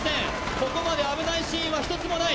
ここまで危ないシーンは一つもない。